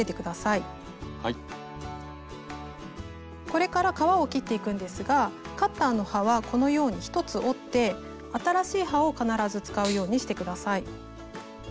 これから革を切っていくんですがカッターの刃はこのように１つ折って新しい刃を必ず使うようにして下さい。